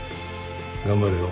頑張れよ。